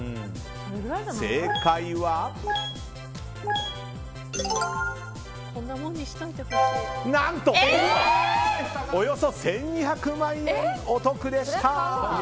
正解は何とおよそ１２００万円お得でした！